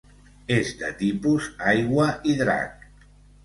És de tipus aigua i drac.